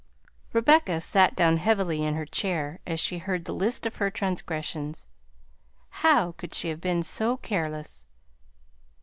Rebecca sat down heavily in her chair as she heard the list of her transgressions. How could she have been so careless?